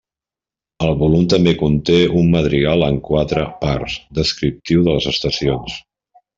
El volum també conté un madrigal en quatre parts descriptiu de les estacions.